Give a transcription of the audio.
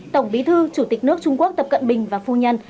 tổng bí thư chủ tịch nước trung quốc tập cận bình và phu nhân